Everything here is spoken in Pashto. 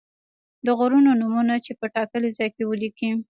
د غرونو نومونه یې په ټاکلي ځای کې ولیکئ.